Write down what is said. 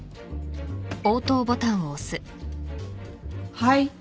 はい？